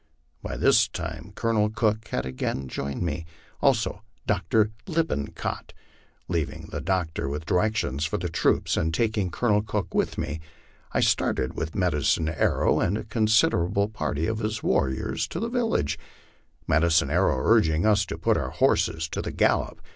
By this time Colonel Cook had again joined me, also Dr. Lippincott. Leav ing the doctor with directions for the troops, and taking Colonel Cook with me, I started with Medicine Arrow and a considerable party of his warriors to the village, Medicine Arrow urging us to put our horses to the gallop.